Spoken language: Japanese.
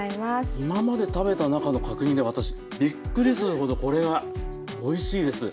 今まで食べた中の角煮で私びっくりするほどこれはおいしいです。